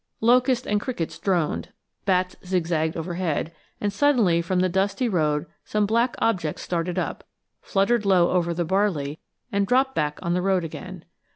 Locusts and crickets droned; bats zigzagged overhead; and suddenly from the dusty road some black objects started up, fluttered low over the barley, and dropped back on the road again.